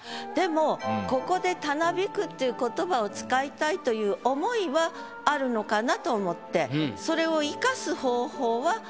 でもここで「たなびく」っていう言葉を使いたいという思いはあるのかなと思ってそれを。